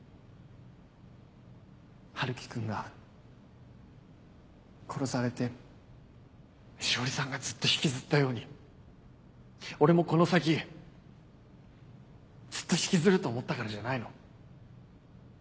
晴希君が殺されて詩織さんがずっと引きずったように俺もこの先ずっと引きずると思ったからじゃないの？